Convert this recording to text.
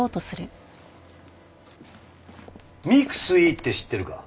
ミクスィって知ってるか？